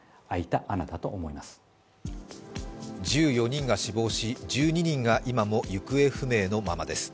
１４人が死亡し、１２人が今も行方不明のままです。